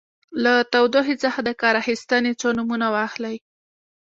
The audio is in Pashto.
له تودوخې څخه د کار اخیستنې څو نومونه واخلئ.